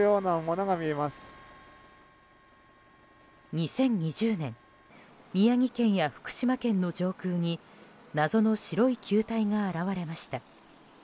２０２０年宮城県や福島県の上空に謎の白い球体が現れました。